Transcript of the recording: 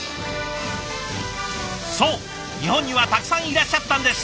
そう日本にはたくさんいらっしゃったんです。